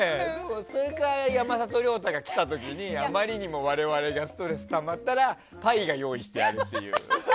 それか山里亮太が来た時にあまりにも我々がストレスがたまったらパイが用意してあるっていう。